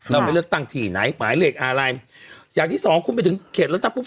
เราไม่เลือกตั้งที่ไหนหมายเลขอะไรอย่างที่สองคุณไปถึงเขตเลือกตั้งปุ๊บ